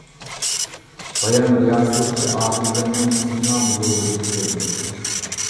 بايام رىياسەتچى ئادىلجاننىڭ سىنا بىلوگىدىن كۆردۈم.